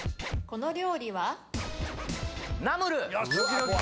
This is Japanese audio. この料理は？